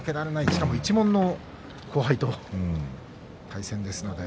しかも一門の後輩との対戦です。